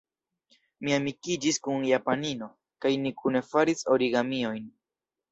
Mi amikiĝis kun japanino, kaj ni kune faris origamiojn.